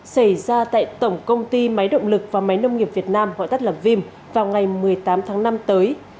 xảy ra tại tổng công ty máy động lực và máy nông nghiệp việt nam gọi tắt là vim vào ngày một mươi tám tháng năm tới